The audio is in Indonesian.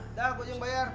udah gua yang bayar